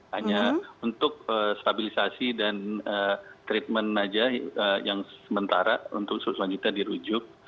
hanya untuk stabilisasi dan treatment saja yang sementara untuk selanjutnya dirujuk